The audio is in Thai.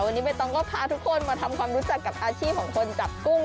วันนี้ใบตองก็พาทุกคนมาทำความรู้จักกับอาชีพของคนจับกุ้ง